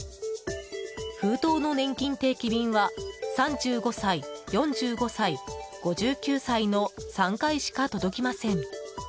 封筒のねんきん定期便は３５歳、４５歳、５９歳の３回しか届きません。